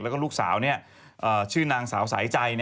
แล้วก็ลูกสาวชื่อนางสาวสายใจ